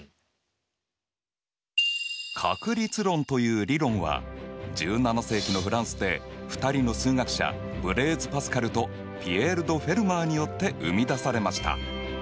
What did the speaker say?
確率論という理論は１７世紀のフランスで２人の数学者ブレーズ・パスカルとピエール・ド・フェルマーによって生み出されました。